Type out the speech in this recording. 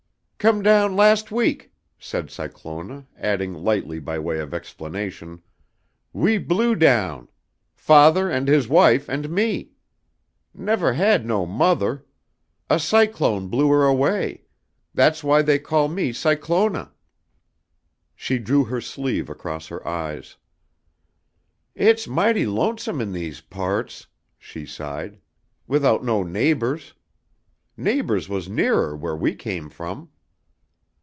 "Come down last week," said Cyclona, adding lightly by way of explanation, "we blew down. Father and his wife and me. Never had no mother. A cyclone blew her away. That's why they call me Cyclona." She drew her sleeve across her eyes. "It's mighty lonesome in these parts," she sighed, "without no neighbors. Neighbors was nearer where we came from."